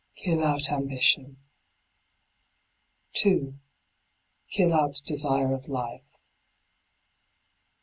Kill out ambition. 2. Kill out desire of life.